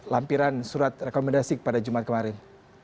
lampiran surat rekomendasi pada jumat kemarin